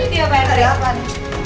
ini dia apa yang terjadi